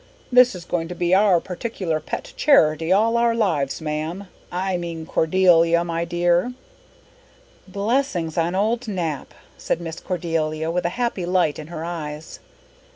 This is going to be our particular pet charity all our lives, ma'am I mean Cordelia, my dear." "Blessings on old Nap," said Miss Cordelia with a happy light in her eyes.